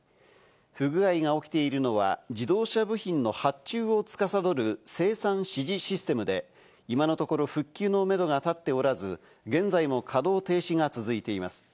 不具合が起きているのは、自動車部品の発注をつかさどる生産指示システムで今のところ復旧のめどが立っておらず、現在も稼働停止が続いています。